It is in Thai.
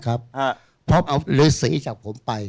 เขาเอาศีลจากผมไป